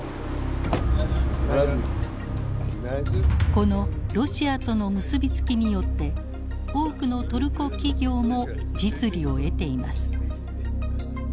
このロシアとの結び付きによって多くのトルコ企業も実利を得ています。